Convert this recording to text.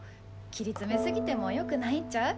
切り詰め過ぎてもよくないんちゃう？